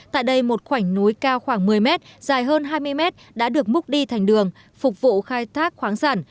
tại đây một khoảnh núi cao khoảng một mươi mét dài hơn hai mươi mét đã được múc đi thành đường phục vụ khai thác khoáng sản